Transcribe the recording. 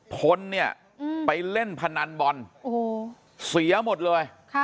พลเนี่ยไปเล่นพนันบอลเสียหมดเลย